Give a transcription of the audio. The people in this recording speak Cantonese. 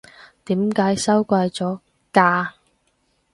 點解收貴咗㗎？